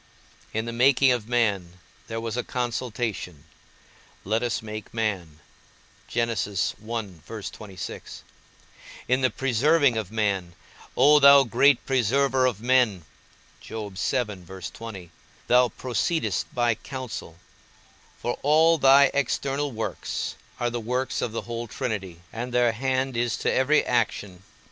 In the making of man there was a consultation; Let us make man. In the preserving of man, O thou great Preserver of men, thou proceedest by counsel; for all thy external works are the works of the whole Trinity, and their hand is to every action.